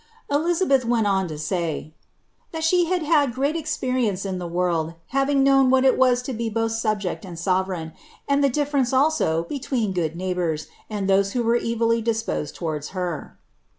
Elizabeth went on to say, " that she had had great experience in the world, having known what it was to be both subject and sovereign, and the difference also between good neighbours and those who were evillv disponed towards her."'